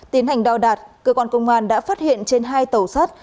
tiến hành đo đạt cơ quan công an đã phát hiện trên hai tàu sắt